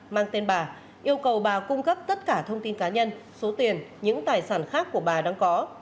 mang tên bà yêu cầu bà cung cấp tất cả thông tin cá nhân số tiền những tài sản khác của bà đang có